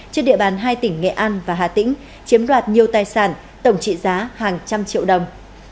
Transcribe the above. trên địa bàn hai tỉnh nghệ an và hà tĩnh chiếm đoạt nhiều tài sản tổng trị giá hàng trăm triệu đồng